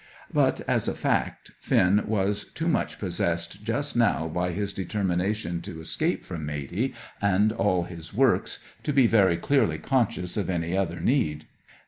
But, as a fact, Finn was too much possessed just now by his determination to escape from Matey and all his works to be very clearly conscious of any other need.